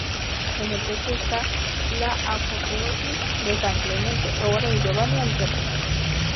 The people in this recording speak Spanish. En el techo esta "La apoteosis de San Clemente", obra de Giovanni Alberti.